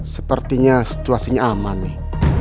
sepertinya situasinya aman nih